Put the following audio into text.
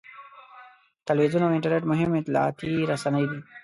تلویزیون او انټرنېټ مهم اطلاعاتي رسنۍ دي.